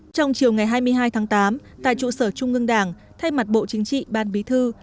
trong chiều ngày hai mươi hai tháng tám tại trụ sở trung ương đảng thay mặt bộ chính trị ban bí thư